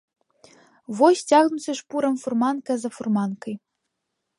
Вось цягнуцца шпурам фурманка за фурманкай.